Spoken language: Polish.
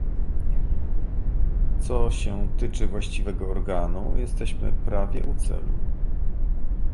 Co się tyczy właściwego organu, jesteśmy prawie u celu